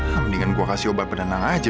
mendingan gue kasih obat penenang aja